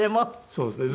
そうですね。